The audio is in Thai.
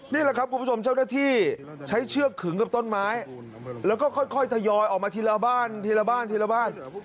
นี่แหละครับคุณผู้ชมเจ้าหน้าที่ใช้เชือกขึงกับต้นไม้แล้วก็ค่อยทยอยออกมาทีละบ้านทีละบ้านทีละบ้าน